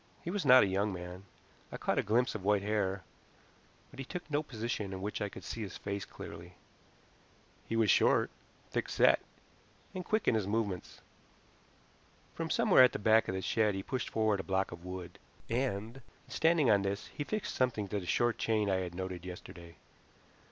He was not a young man. I caught a glimpse of white hair, but he took no position in which I could see his face clearly. He was short, thick set, and quick in his movements. From somewhere at the back of the shed he pushed forward a block of wood, and, standing on this, he fixed something to the short chain I had noted yesterday.